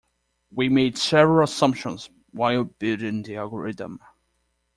We made several assumptions while building the algorithm.